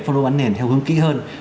phân đồ bán nền theo hướng kỹ hơn